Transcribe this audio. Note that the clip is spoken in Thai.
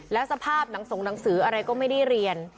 แล้วสภาพหนังสงหนังสืออะไรก็ไม่ได้เรียน